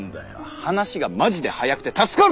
話がマジで早くて助かるぜセンセェ。